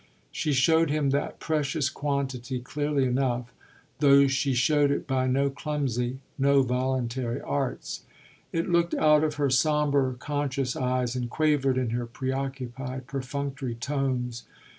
She showed him that precious quantity clearly enough, though she showed it by no clumsy, no voluntary arts. It looked out of her sombre, conscious eyes and quavered in her preoccupied, perfunctory tones.